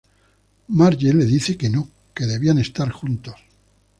Marge le dice que no, que debían estar juntos.